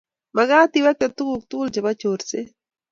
mekat iwekte tuguk tugul chebo chorset